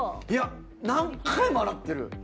いや何回も洗ってる。